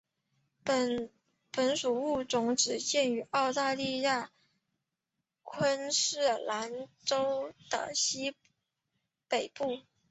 本属物种只见于澳大利亚昆士兰州的西北部。